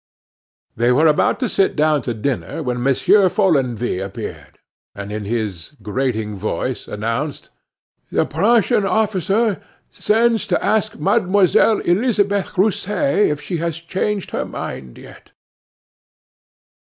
They were about to sit down to dinner when Monsieur Follenvie appeared, and in his grating voice announced: "The Prussian officer sends to ask Mademoiselle Elisabeth Rousset if she has changed her mind yet."